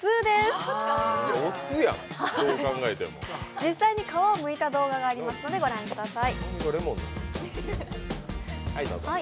実際に皮をむいた動画がありますので、御覧ください。